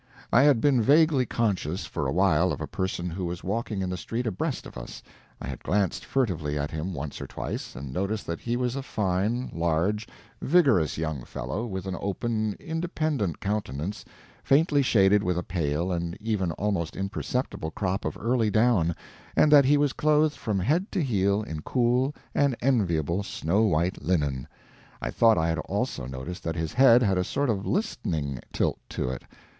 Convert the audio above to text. I had been vaguely conscious, for a while, of a person who was walking in the street abreast of us; I had glanced furtively at him once or twice, and noticed that he was a fine, large, vigorous young fellow, with an open, independent countenance, faintly shaded with a pale and even almost imperceptible crop of early down, and that he was clothed from head to heel in cool and enviable snow white linen. I thought I had also noticed that his head had a sort of listening tilt to it.